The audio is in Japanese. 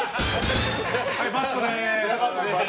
はい、バッドです！